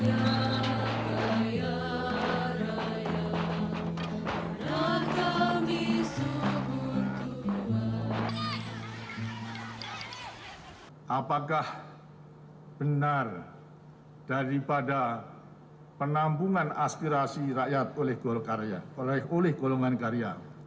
apakah benar daripada penampungan aspirasi rakyat oleh golkar ya oleh golongan karya